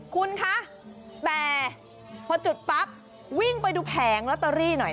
คุณคะแต่พอจุดปั๊บวิ่งไปดูแผงลอตเตอรี่หน่อย